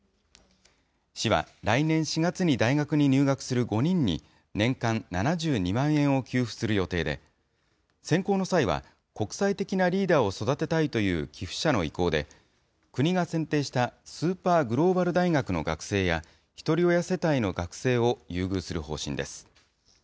市は、来年４月に大学に入学する５人に、年間７２万円を給付する予定で、選考の際は、国際的なリーダーを育てたいという寄付者の意向で、国が選定したスーパーグローバル大学の学生や、ひとり親世帯の学生を優遇する方針です。